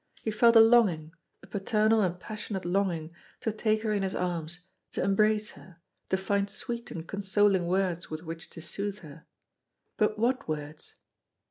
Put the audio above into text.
He felt a longing, a paternal and passionate longing to take her in his arms, to embrace her, to find sweet and consoling words with which to soothe her. But what words?